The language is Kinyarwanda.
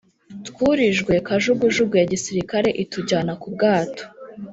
Twurijwe kajugujugu ya gisirikare itujyana ku bwato